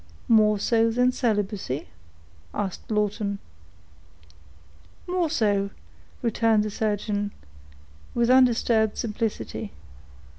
"More so than celibacy?" asked Lawton. "More so," returned the surgeon, with undisturbed simplicity.